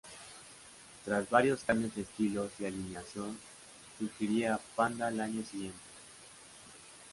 Tras varios cambios de estilos y alineación, surgiría Panda al año siguiente.